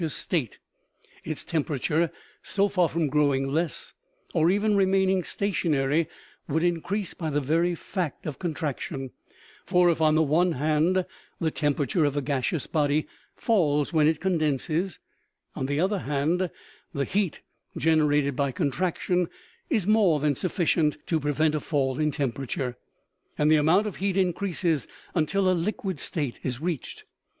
be actually in a temperature, so far from growing less, or even remaining stationary, would increase by the very fact of contraction ; for if on the one hand the temperature of a gaseous body falls when it condenses, on the other hand the heat generated by contraction is more than sufficient to pre vent a fall in temperature, and the amount of heat increases until a liquid state is reached.